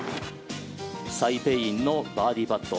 サイ・ペイインのバーディーパット。